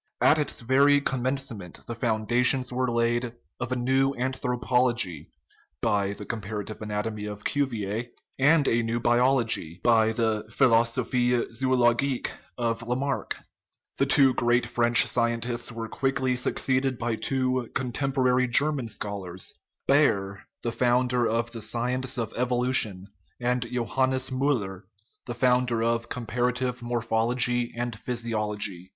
At its very commencement the foundations were laid of a new anthropology (by the comparative anatomy of Cuvier) and of a new biology (by the Philosophic Zoologique of Lamarck). The two great French scientists were quickly succeeded by two contemporary German scholars Baer, the founder of the science of evolution, and Johannes Miiller, the 321 THE RIDDLE OF THE UNIVERSE founder of comparative morphology and physiology.